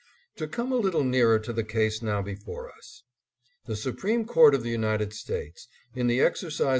To come a little nearer to the case now before us. The Supreme Court of the United States, in the exercise ADDRESS AT LINCOLN HALL.